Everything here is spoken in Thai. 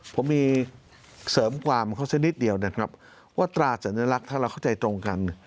ผมมีเสริมความเขาสักนิดเดียวนะครับว่าตราสัญลักษณ์ถ้าเราเข้าใจตรงกัน